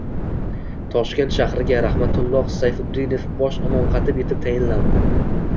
Toshkent shahriga Rahmatulloh Sayfuddinov bosh imom-xatib etib tayinlandi